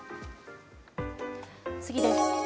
次です。